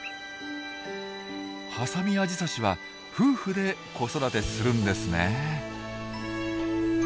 ハサミアジサシは夫婦で子育てするんですね。